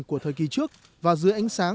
của thời kỳ trước và dưới ánh sáng